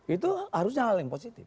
itu harusnya hal yang positif